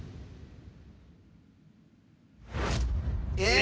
え！